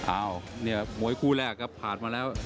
อ้าวเนี่ยมวยคู่แรกครับผ่านมาแล้ว